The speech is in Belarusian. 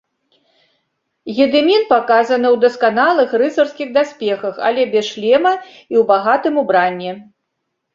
Гедымін паказаны ў дасканалых рыцарскіх даспехах, але без шлема і ў багатым убранні.